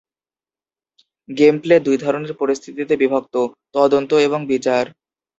Gameplay দুই ধরনের পরিস্থিতিতে বিভক্ত: তদন্ত এবং বিচার।